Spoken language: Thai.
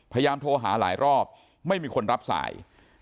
พยายามโทรหาหลายรอบไม่มีคนรับสาย